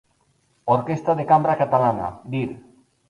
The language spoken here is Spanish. Orquestra de Cambra Catalana., Dir.